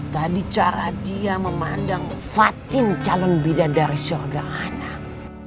tadi cara dia memandang fatin calon bidan dari shorga anak